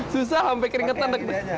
susah sampai keringetan